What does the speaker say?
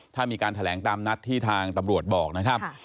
ถ้ามีการแถลงตามนัดที่ทางตำรวจบอกนะครับ